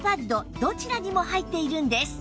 どちらにも入っているんです